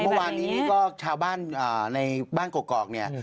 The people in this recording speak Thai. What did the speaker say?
แล้วเมื่อวานนี้ก็ชาวบ้านในบ้านเกาะเนี่ย